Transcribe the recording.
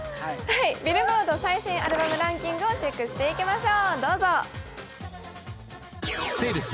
ビルボード最新アルバムランキングをチェックしていきましょう。